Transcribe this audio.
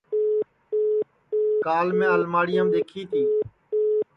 کال میں الماڑیام دؔیکھی تی